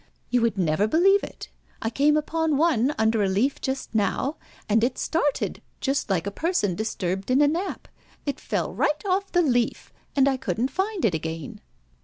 You would never believe it. I came upon one under a leaf just now, and it started just like a person disturbed in a nap. It fell right off the leaf, and I couldn't find it again."